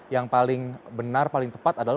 yang paling benar paling tepat adalah